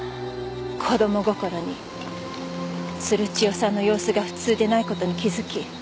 子供心に鶴千代さんの様子が普通でないことに気付き